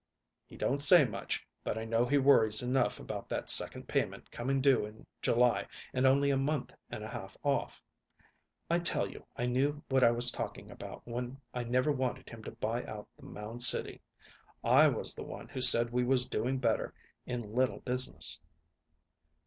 "He don't say much, but I know he worries enough about that second payment coming due in July and only a month and a half off. I tell you I knew what I was talking about when I never wanted him to buy out the Mound City. I was the one who said we was doing better in little business."